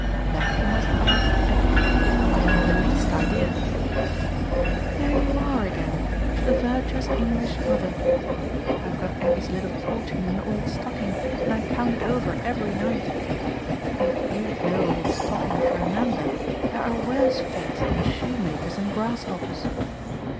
"That you must ask Edward. I haven't the least idea." "There you are again the virtuous English mother! I've got Aggie's little fortune in an old stocking and I count it over every night. If you've no old stocking for Nanda there are worse fates than shoemakers and grasshoppers.